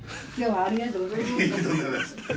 ありがとうございます。